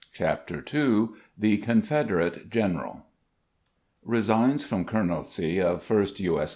CHAPTER II The Confederate General RESIGNS PROM COLONELCY OP FIRST U. S.